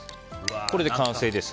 これで完成です。